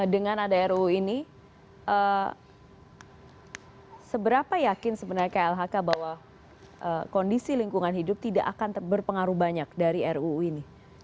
dengan ada ruu ini seberapa yakin sebenarnya klhk bahwa kondisi lingkungan hidup tidak akan berpengaruh banyak dari ruu ini